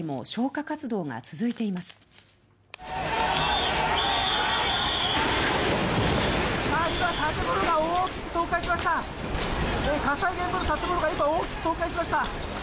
火災現場の建物が今大きく倒壊しました。